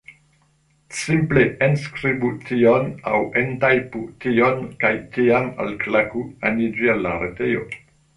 Simple enskribu tion aŭ entajpu tion kaj tiam alklaku aniĝi al la retejo